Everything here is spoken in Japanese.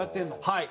はい。